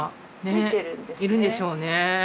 いるんでしょうね。